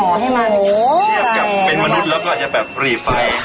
เชียบกับเป็นมนุษย์แล้วก็อาจจะหนีไฟ